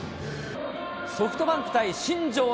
ソフトバンク対新庄